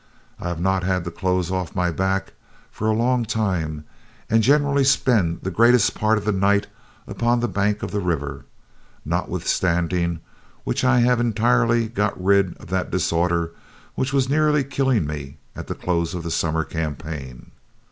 I have not had the clothes off my back for a long time, and generally spend the greatest part of the night upon the bank of the river, notwithstanding which I have entirely got rid of that disorder which was near killing me at the close of the summer campaign.